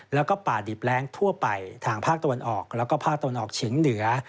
แล้วก็ป่าดิบแร้งทั่วไปทางภาคตะวันออกแล้วก็ภาคตะวันออกเฉียงเหนือ